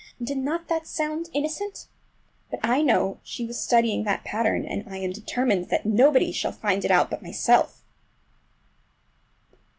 Did not that sound innocent? But I know she was studying that pattern, and I am determined that nobody shall find it out but myself!